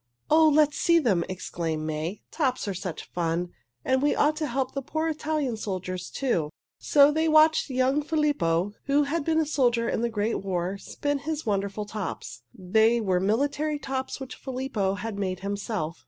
"Oh, let's see them!" exclaimed May. "Tops are such fun, and we ought to help the poor Italian soldiers, too." So they watched young Filippo, who had been a soldier in the great war, spin his wonderful tops. They were military tops which Filippo had made himself.